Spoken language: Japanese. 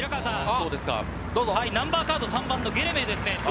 ナンバーカード３番ゲレメウですね。